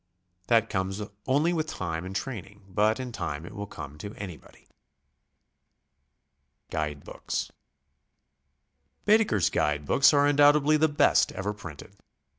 That comes only with time and training, but in time it will come to anybody. GUIDE BOOKS. Baedeker's guide books are undoubtedly the best ever printed.